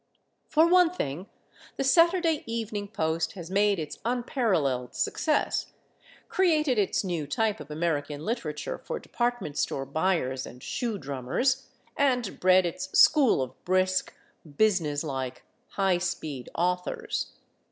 For one thing, the Saturday Evening Post has made its unparalleled success, created its new type of American literature for department store buyers and shoe drummers, and bred its school of brisk, business like, high speed authors.